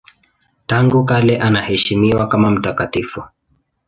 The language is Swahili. Tangu kale anaheshimiwa kama mtakatifu.